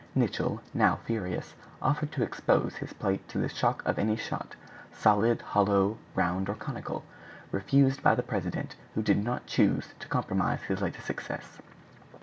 Nicholl, now furious, offered to expose his plate to the shock of any shot, solid, hollow, round, or conical. Refused by the president, who did not choose to compromise his last success.